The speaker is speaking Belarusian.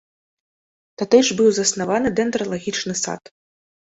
Тады ж быў заснаваны дэндралагічны сад.